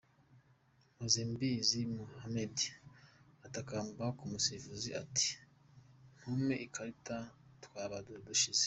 Mpozembizi Mohammed atakamba ku musifuzi ati ntumpe ikarita twaba dushize.